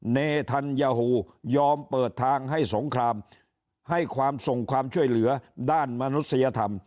เนธัญฮูยอมเปิดทางให้สงครามให้ความส่งความช่วยเหลือด้านมนุษยธรรม